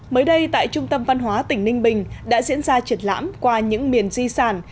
mới đây tại trung tâm văn hóa tỉnh ninh bình đã diễn ra triển lãm qua những miền di sản